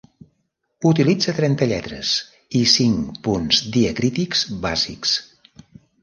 Utilitza trenta lletres i cinc punts diacrítics bàsics.